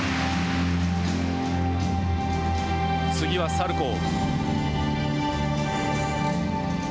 次はサルコー。